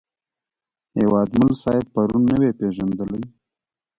هیوادمل صاحب پرون نه وې پېژندلی.